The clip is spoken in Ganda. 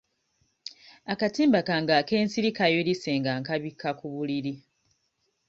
Akatimba kange ak'ensiri kayulise nga nkabikka ku buliri.